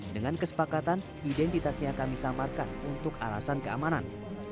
dengan kesepakatan identitasnya kami samarkan untuk alasan keamanan